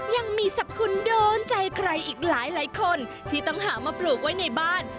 ยังมีสรรพคุณโดนใจใครอีกหลายคนที่ต้องหามาปลูกไว้ในบ้าน